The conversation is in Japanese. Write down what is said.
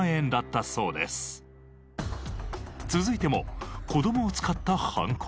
続いても子供を使った犯行。